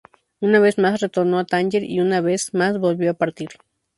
Una vez más retornó a Tánger y una vez más volvió a partir.